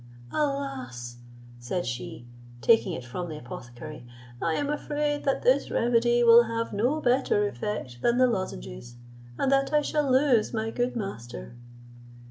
"Alas!" said she, taking it from the apothecary, "I am afraid that this remedy will have no better effect than the lozenges; and that I shall lose my good master."